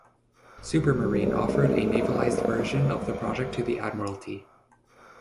Supermarine offered a navalised version of the project to the Admiralty.